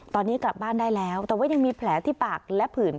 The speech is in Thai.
ตอนนี้กลับบ้านได้แล้วแต่ว่ายังมีแผลที่ปากและผื่น